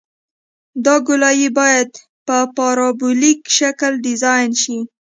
دا ګولایي باید په پارابولیک شکل ډیزاین شي